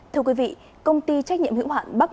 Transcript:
thưa quý vị công ty trách nhiệm hữu hoạn bắc hà